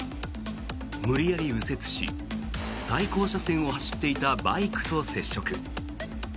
無理やり右折し対向車線を走っていたバイクと接触。